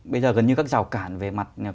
bây giờ gần như các rào cản về mặt